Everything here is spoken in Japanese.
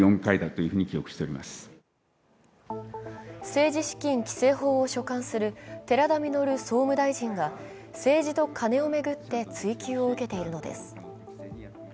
政治資金規正法を所管する寺田稔総務大臣が政治とカネを巡って追及を受けているのです。